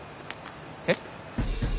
えっ？